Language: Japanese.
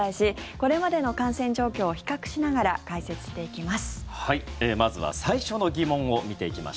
これまでの感染状況を比較しながら解説していきます。